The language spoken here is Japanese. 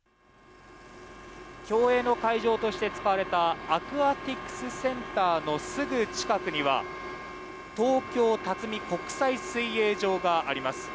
競泳の会場として使われたアクアティクスセンターのすぐ近くには東京辰巳国際水泳場があります。